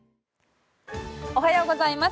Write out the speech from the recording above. おはようございます。